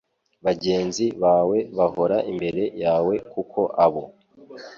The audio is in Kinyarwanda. bagenzi bawe bahora imbere yawe kuko abo